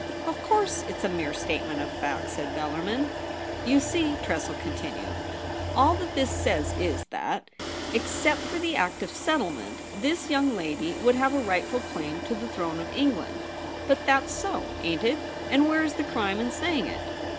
' Of course it's a mere statement of fact,' said Bellarmin. TOMMY TRESSEL. 139 ' You see,' Tressel continued, ' all that this says is, that except for the Act of Settlement this young lady would have a rightful claim to the throne of England. But that's so, ain't it ? And where is the crime in say ing it